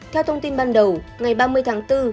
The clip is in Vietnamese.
theo thông tin ban đầu ngày ba mươi tháng bốn